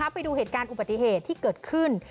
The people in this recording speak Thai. ไปดูเหตุการณ์อุบัติเหตุที่เกิดขึ้น